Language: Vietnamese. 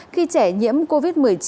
khi trẻ nhiễm covid một mươi chín